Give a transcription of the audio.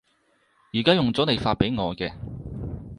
而家用咗你發畀我嘅